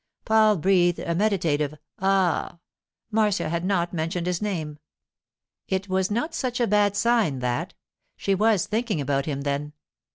Paul breathed a meditative 'Ah!' Marcia had not mentioned his name. It was not such a bad sign, that: she was thinking about him, then.